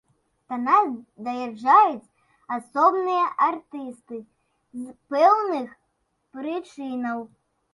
Да нас даязджаюць асобныя артысты, з пэўных прычынаў.